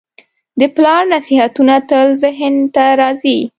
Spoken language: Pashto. د پلار نصیحتونه تل ذهن ته راځي.